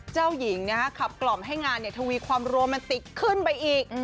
เจ้าหญิงขับกล่อมให้งานทวีความโรแมนติกขึ้นไปอีก